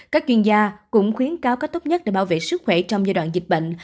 các chuyên gia cũng khuyến cáo cách tốt nhất để bảo vệ sức khỏe trong giai đoạn dịch bệnh